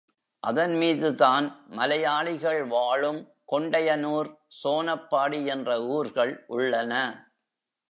அதன்மீது தான் மலையாளிகள் வாழும் கொண்டையனூர், சோனப்பாடி என்ற ஊர்கள் உள்ளன.